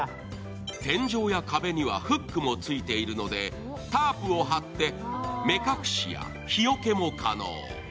天井や壁にはフックもついているのでタープを張って目隠しや日よけも可能。